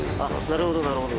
なるほどなるほど。